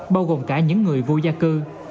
bao gồm cả những người vô gia cư